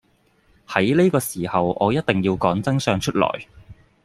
喺呢個時候我一定要講真相出來